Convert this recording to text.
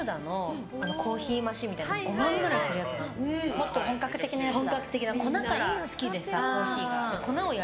もっと本格的な奴だ。